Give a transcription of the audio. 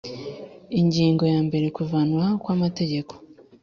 Ingingo ya mbere Kuvanwaho kwamategeko